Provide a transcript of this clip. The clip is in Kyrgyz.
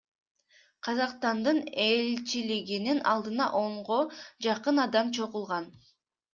Казакстандын элчилигинин алдына онго жакын адам чогулган.